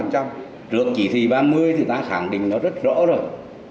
trước chỉ thị ba mươi thì ta khẳng định nó rất rõ rồi